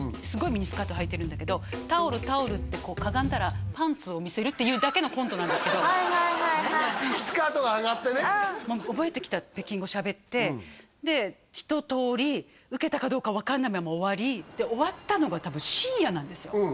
すごいミニスカートはいてるんだけど「タオルタオル」ってかがんだらパンツを見せるっていうだけのコントなんですけどスカートが上がってね覚えてきた北京語喋ってで一とおりウケたかどうか分かんないまま終わり終わったのが多分深夜なんですよ